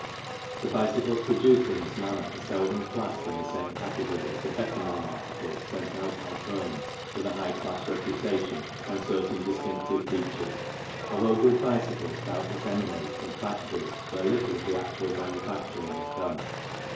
The bicycles produced in this manner are seldom classed in the same category as the better known articles sent out by firms with a high class reputation and certain distinctive features, although good bicycles doubtless emanate from factories where little of the actual manufacturing is done.